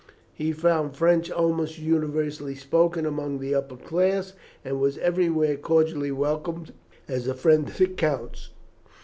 He found French almost universally spoken among the upper class, and was everywhere cordially welcomed as a friend of the count's.